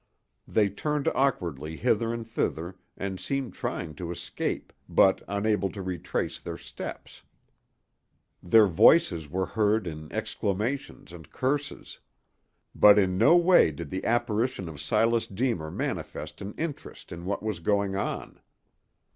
They turned awkwardly hither and thither and seemed trying to escape, but unable to retrace their steps. Their voices were heard in exclamations and curses. But in no way did the apparition of Silas Deemer manifest an interest in what was going on.